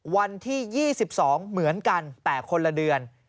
วันที่๒๒เหมือนกันแต่คนละเดือน